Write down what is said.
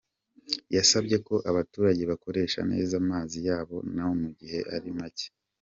Yasabye ko abaturage bakoresha neza mazi yaba no mu gihe ari make.